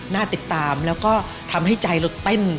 หน้าติดตามแล้วก็ทำให้ใจเราเต้น